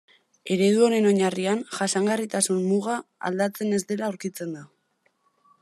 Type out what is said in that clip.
Eredu honen oinarrian jasangarritasun muga aldatzen ez dela aurkitzen da.